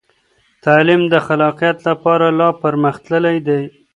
تعلیم د خلاقیت لپاره لا پرمخ تللی دی.